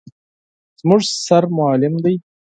_زموږ سر معلم دی.